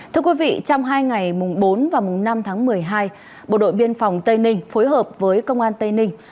thưa quý vị trong hai ngày mùng bốn và năm tháng một mươi hai bộ đội biên phòng tây ninh phối hợp với công an tây ninh